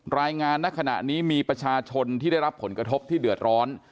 ณขณะนี้มีประชาชนที่ได้รับผลกระทบที่เดือดร้อน